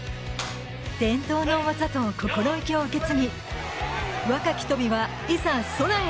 伝統の技と心意気を受け継ぎ若き鳶はいざ空へ！